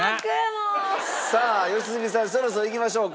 さあ良純さんそろそろいきましょうか。